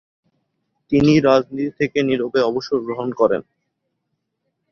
তিনি রাজনীতি থেকে নীরবে অবসর গ্রহণ করেন।